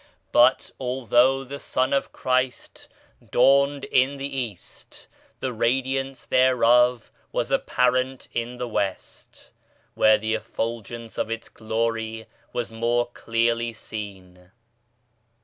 But although the Sun of Christ dawned in the East the Radiance thereof was apparent in the West, where the effulgence of its Glory was more clearly seen.